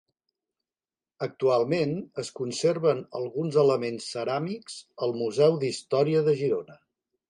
Actualment es conserven alguns elements ceràmics al Museu d'Història de Girona.